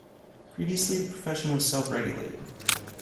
Previously, the profession was self-regulated.